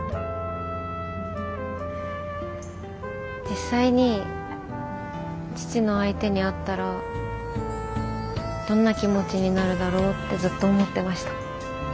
実際に父の相手に会ったらどんな気持ちになるだろうってずっと思ってました。